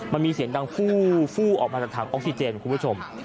มันมีเสียงดังฟู้ออกมาจากถังออกซิเจนคุณผู้ชม